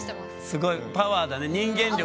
すごいパワーだね人間力。